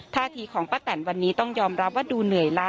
ท่าทีของป้าแตนวันนี้ต้องยอมรับว่าดูเหนื่อยล้า